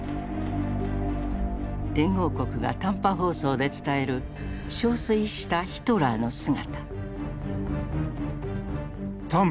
連合国が短波放送で伝える憔悴したヒトラーの姿。